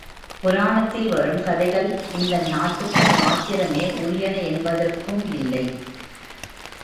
புராணத்தில் வரும் கதைகள் இந்த நாட்டுக்கு மாத்திரமே உரியன என்பதற்கும் இல்லை.